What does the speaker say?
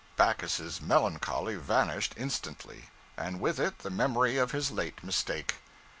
Backus's melancholy vanished instantly, and with it the memory of his late mistake.